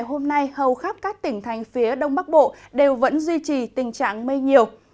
hôm nay hầu khắp các tỉnh thành phía đông bắc bộ đều vẫn duy trì tình trạng mây nhiều